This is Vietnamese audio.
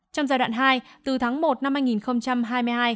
trong giai đoạn hai từ tháng một năm hai nghìn hai mươi hai